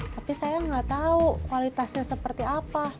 tapi saya nggak tahu kualitasnya seperti apa